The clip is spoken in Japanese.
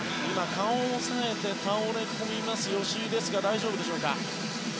顔を押さえて倒れ込みます吉井ですが、大丈夫でしょうか。